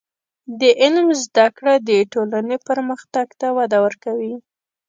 د علم زده کړه د ټولنې پرمختګ ته وده ورکوي.